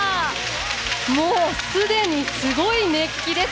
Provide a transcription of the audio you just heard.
もう、すでにすごい熱気です。